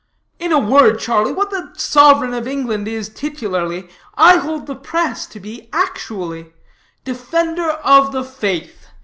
In a word, Charlie, what the sovereign of England is titularly, I hold the press to be actually Defender of the Faith!